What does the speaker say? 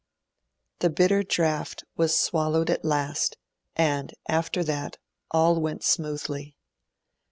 The bitter draught was swallowed at last, and, after that, all went smoothly.